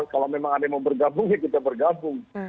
kalau memang ada yang mau bergabung ya kita bergabung